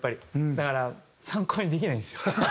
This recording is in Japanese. だから参考にできないんですよ。